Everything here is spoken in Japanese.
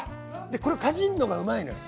でこれをかじるのがうまいのよ